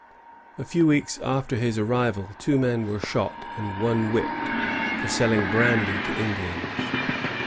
A few weeks after his arrival, two men were shot and one whipped, for selling brandy to Indians.'